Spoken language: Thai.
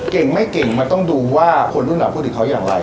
เก่งไม่เก่งมันต้องดูว่าคนรุ่นหลังพูดถึงเขาอย่างไร